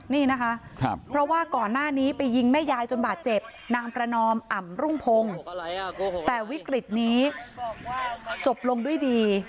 นี่นะคะเพราะว่าก่อนหน้านี้ไปยิงแม่ยายจนบาดเจ็บนางประนอมอ่ำรุ่งพงศ์แต่วิกฤตนี้จบลงด้วยดี